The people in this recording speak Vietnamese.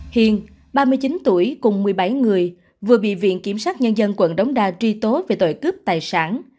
hiền ba mươi chín tuổi cùng một mươi bảy người vừa bị viện kiểm sát nhân dân quận đống đa truy tố về tội cướp tài sản